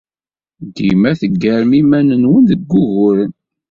Dima teggarem iman-nwen deg wuguren.